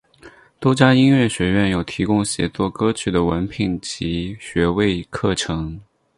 多家音乐学院有提供写作歌曲的文凭及学位课程。